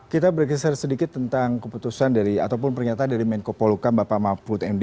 kita berkisar sedikit tentang keputusan dari ataupun pernyataan dari menko polhukam bapak mahfud mdm